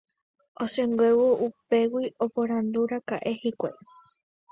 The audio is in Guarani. Osẽnguévo upégui oporandúraka'e hikuái